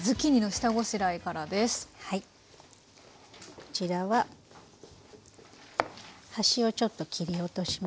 こちらは端をちょっと切り落としまして。